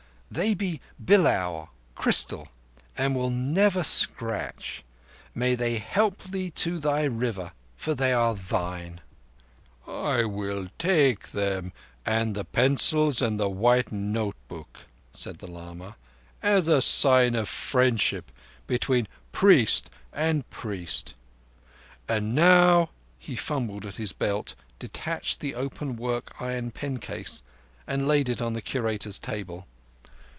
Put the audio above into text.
"They be bilaur—crystal—and will never scratch. May they help thee to thy River, for they are thine." "I will take them and the pencils and the white note book," said the lama, "as a sign of friendship between priest and priest—and now—" He fumbled at his belt, detached the open work iron pincers, and laid it on the Curator's table.